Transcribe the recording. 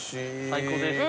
最高です。